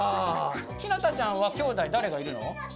ひなたちゃんはきょうだい誰がいるの？